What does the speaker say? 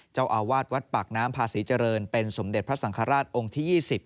เจ้าอาวาสวัดปากน้ำพาศรีเจริญเป็นสมเด็จพระสังฆราชองค์ที่๒๐